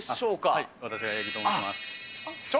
はい、私が八木と申します。